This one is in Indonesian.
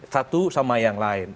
satu sama yang lain